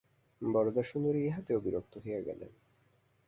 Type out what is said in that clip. বরদাসুন্দরী ইহাতেও বিরক্ত হইয়া গেলেন।